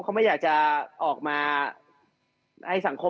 เขาไม่อยากจะออกมาให้สังคมรับรู้ในเรื่องนี้นะครับ